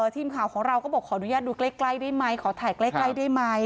ทีมข่าวของเราก็บอกขออนุญาตดูใกล้ได้ไหมขอถ่ายใกล้ได้ไหม